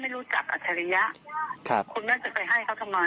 ไม่รู้จักไม่เคยคุยไม่เคยอะไรด้วยเลยนะ